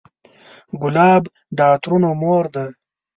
ګلاب د عطرونو مور ده.